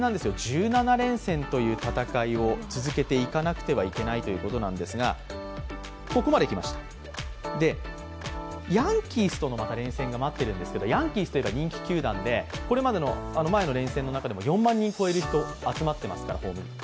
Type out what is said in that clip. １７連戦という戦いを続けていかなくてはいけないんですが、ヤンキースとのまた連戦が待ってるんですけれどもヤンキースといえば人気球団でこれまでの前の連戦の中でも４万人を超える人がスタジアムに集まってます。